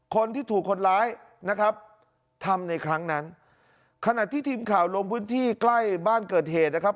คนที่ถูกคนร้ายนะครับทำในครั้งนั้นขณะที่ทีมข่าวลงพื้นที่ใกล้บ้านเกิดเหตุนะครับ